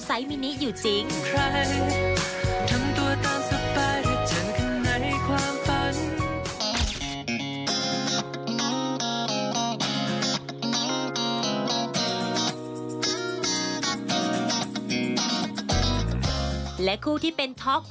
และก็มีความคิดว่านั้นคือว่า